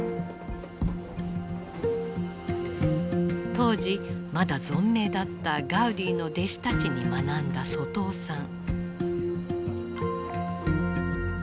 当時まだ存命だったガウディの弟子たちに学んだ外尾さん。